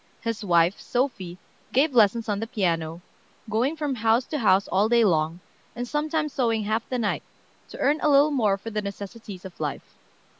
His wife, Sophie, gave lessons on the piano, going from house to house all day long, and sometimes sewing half the night, to earn a little more for the necessities of life.